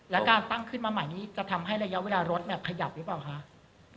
แล้วการตั้งขึ้นมาใหม่นี้จะทำให้ระยะเวลารถขยับหรือเปล่าคะ